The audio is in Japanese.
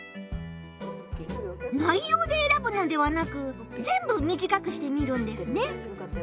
ないようでえらぶのではなく全部短くしてみるんですね。